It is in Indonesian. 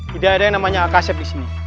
tidak ada yang namanya akasep di sini